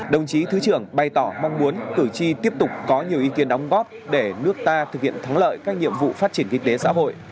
đồng chí thứ trưởng bày tỏ mong muốn cử tri tiếp tục có nhiều ý kiến đóng góp để nước ta thực hiện thắng lợi các nhiệm vụ phát triển kinh tế xã hội